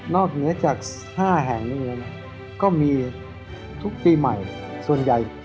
เหนือจาก๕แห่งนี้ก็มีทุกปีใหม่ส่วนใหญ่